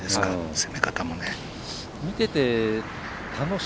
攻め方もね。